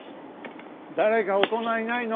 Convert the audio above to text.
誰か大人いないの？